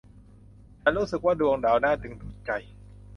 ฉันรู้สึกว่าดวงดาวน่าดึงดูดใจ